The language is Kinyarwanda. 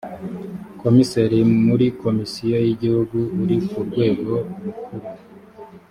komiseri muri komisiyo y’igihugu uri ku rwego rukuru